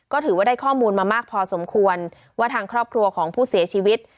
ก็ถือว่าได้ข้อมูลมามากพอสมควรว่าทางครอบครัวของผู้เสียชีวิต